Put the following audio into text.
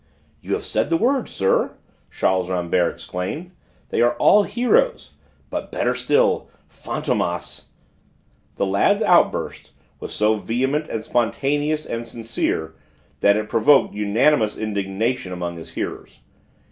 "You have said the word, sir," Charles Rambert exclaimed: "they all are heroes. But, better still, Fantômas " The lad's outburst was so vehement and spontaneous and sincere, that it provoked unanimous indignation among his hearers.